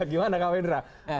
gimana kak wendra